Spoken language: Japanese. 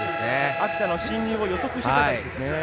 秋田の侵入を予測していたんですね。